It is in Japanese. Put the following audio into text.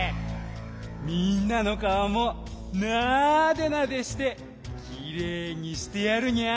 みんなのかおもなでなでしてきれいにしてやるにゃん。